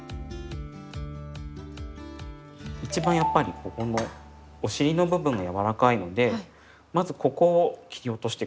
一番やっぱりここのお尻の部分が柔らかいのでまずここを切り落として下さい。